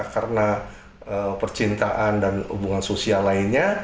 karena percintaan dan hubungan sosial lainnya